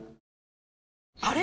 あれ？